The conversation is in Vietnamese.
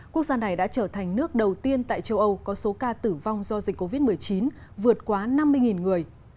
quốc gia này đã trở thành nước đầu tiên tại châu âu có số ca tử vong do dịch covid một mươi chín vượt quá năm mươi người